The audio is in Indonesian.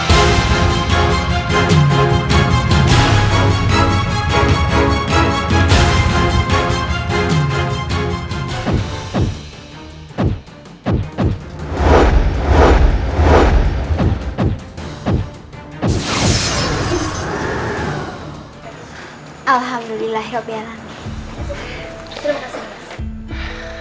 terima kasih terima kasih